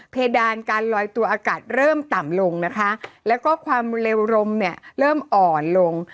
เพดานการลอยตัวอากาศเริ่มต่ำลงนะคะแล้วก็ความเร็วลมเนี่ยเริ่มอ่อนลง